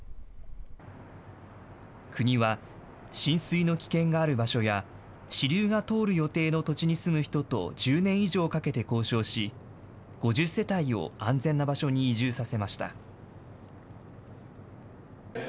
国は、浸水の危険がある場所や、支流が通る予定の土地に住む人と１０年以上かけて交渉し、５０世帯を安全な場所に移住させました。